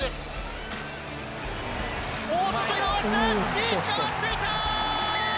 リーチが待っていた！